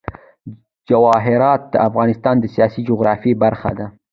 جواهرات د افغانستان د سیاسي جغرافیه برخه ده.